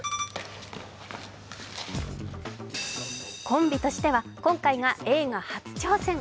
コンビとしては今回が映画初挑戦。